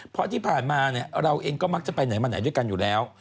เพราะที่ผ่านมาเราเองก็มักจะไปไหนมาไหนด้วยกันอยู่แล้ว